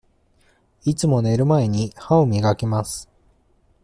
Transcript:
いつも寝る前に、歯を磨きます。